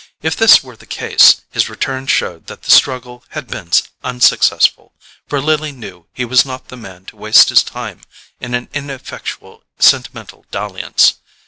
If this were the case, his return showed that the struggle had been unsuccessful, for Lily knew he was not the man to waste his time in an ineffectual sentimental dalliance.